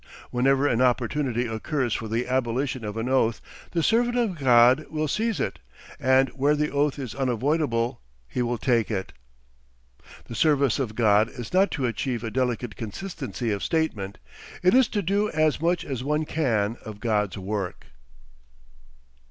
Whenever an opportunity occurs for the abolition of an oath, the servant of God will seize it, but where the oath is unavoidable he will take it. The service of God is not to achieve a delicate consistency of statement; it is to do as much as one can of God's work.